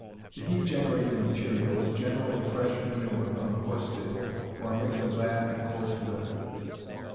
The heat generating material is generally fresh manure from the horse stable, or a mixture of that and coarse litter.